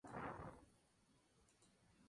Concretamente dijo "Odio al negro de la Casa Blanca.